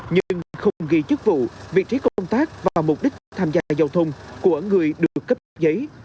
nhưng không ghi chức vụ vị trí công tác và mục đích tham gia giao thông của người được cấp cấp giấy